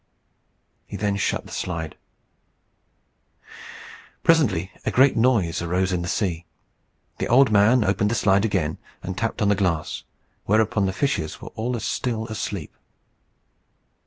He then shut the slide. Presently a great noise arose in the sea. The old man opened the slide again, and tapped on the glass, whereupon the fishes were all as still as sleep.